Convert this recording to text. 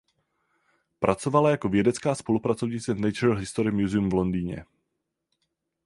Pracovala jako vědecká spolupracovnice v Natural History Museum v Londýně.